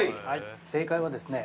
◆正解はですね